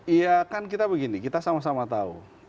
iya kan kita begini kita sama sama tahu